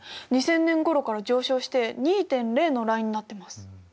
２０００年ごろから上昇して２．０のラインになってます。